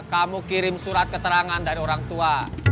kamu kirim surat keterangan dari orang tua